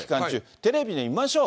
テレビ見ましょう。